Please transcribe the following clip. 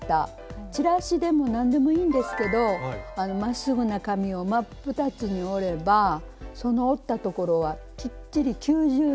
チラシでも何でもいいんですけどまっすぐな紙を真っ二つに折ればその折ったところはきっちり９０度になります。